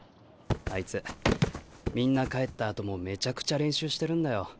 あいつみんな帰ったあともめちゃくちゃ練習してるんだよ。